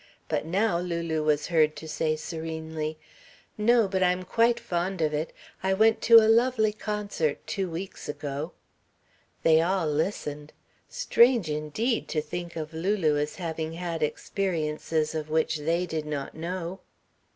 But now Lulu was heard to say serenely: "No, but I'm quite fond of it. I went to a lovely concert two weeks ago." They all listened. Strange indeed to think of Lulu as having had experiences of which they did not know.